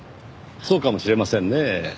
そうかもしれませんねぇ。